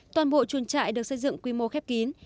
toàn bộ chuồng trại được xây dựng quy mô khép kín